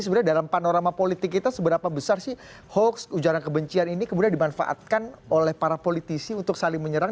sebenarnya dalam panorama politik kita seberapa besar sih hoax ujaran kebencian ini kemudian dimanfaatkan oleh para politisi untuk saling menyerang